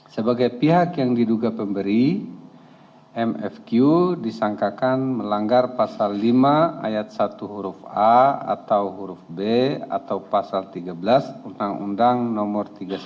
sebagai pihak yang diduga pemberi mfq disangkakan melanggar pasal lima ayat satu huruf a atau huruf b atau pasal tiga belas undang undang nomor tiga puluh sembilan